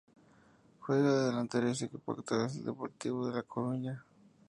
Juega de delantero y su equipo actual es el Deportivo de La Coruña.